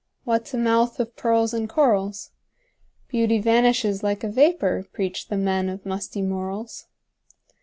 What 's a mouth of pearls and corals? Beauty vanishes like a vapor, Preach the men of musty morals!